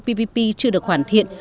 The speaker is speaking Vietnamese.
ppp chưa được hoàn thiện